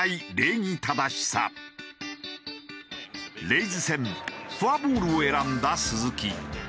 レイズ戦フォアボールを選んだ鈴木。